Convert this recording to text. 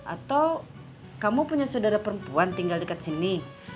atau kamu punya saudara perempuan tinggal dekat sini